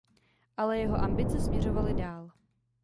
Ale jeho ambice směřovaly dál.